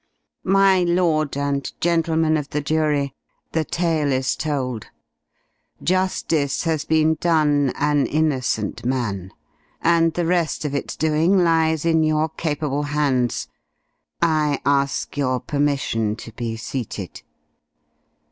"My lord and gentlemen of the jury, the tale is told. Justice has been done an innocent man, and the rest of its doing lies in your capable hands. I ask your permission to be seated."